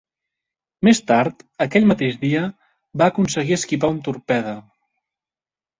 Més tard, aquell mateix dia, va aconseguir esquivar un torpede.